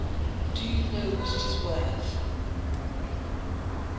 "Do you know what it is worth?"